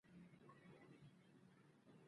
خوړل د وخت سره سم وي